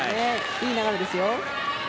いい流れですよ。